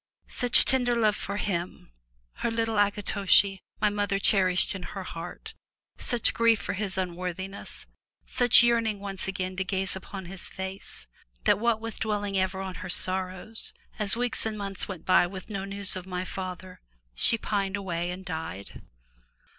Such tender love for him, her little 375 M Y BOOK HOUSE A ki to'shi, my mother cherished in her heart, such grief for his unworthiness, such yearning once again to gaze upon his face, that what with dwelling ever on her sorrows, as weeks and months went by with no news of my father, she pined away and died.